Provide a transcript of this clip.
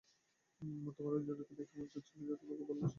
তোমাদের দুজনকে দেখেই মনে হচ্ছিল যে, তোমরা খুব ভালো আছ।